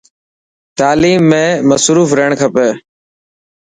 تعليم ۾ مصروف رهڻ کپي.